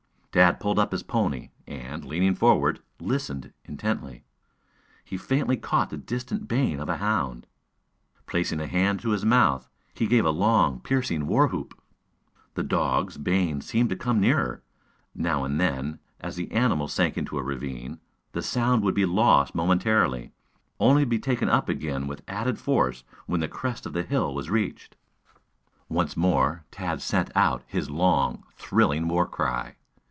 Tad pulled up his pony, and, leaning forward, listened intently. He faintly caught the distant baying of a hound. Placing a hand to his mouth, he gave a long, piercing war whoop. The dogs' baying seemed to come nearer. Now and then, as the animals sank into a ravine, the sound would be lost momentarily, only to be taken up again with added force when the crest of the hill was reached. Once more, Tad sent out his long, thrilling war cry.